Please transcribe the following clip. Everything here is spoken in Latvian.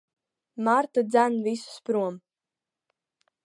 Marta dzen visus prom.